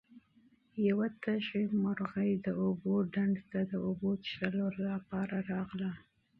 یوه تږې مرغۍ د اوبو ډنډ ته د اوبو څښلو لپاره راغله.